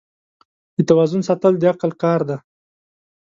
د توازن ساتل د عقل کار دی.